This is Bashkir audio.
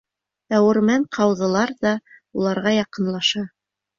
Әүермән ҡауҙылар ҙа уларға яҡынлаша.